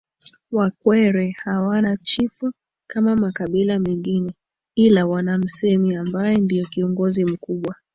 Wakwere hawana chifu kama makabila mengine ila wana msemi ambaye ndiye kiongozi mkubwa